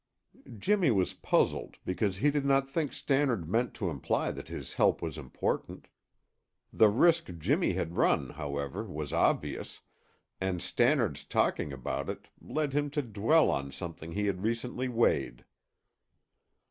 Jimmy was puzzled, because he did not think Stannard meant to imply that his help was important. The risk Jimmy had run, however, was obvious, and Stannard's talking about it led him to dwell on something he had recently weighed.